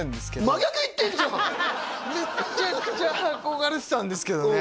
めちゃくちゃ憧れてたんですけどね